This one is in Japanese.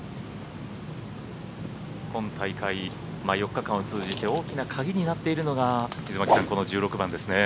今大会４日間を通じて大きな鍵になっているのが水巻さん、この１６番ですね。